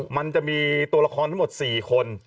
มันจะมีตัวละครทั้งหมด๔คน